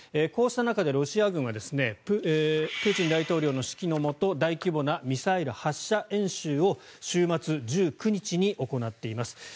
こうした中でロシア軍はプーチン大統領の指揮のもと大規模なミサイル発射演習を週末１９日に行っています。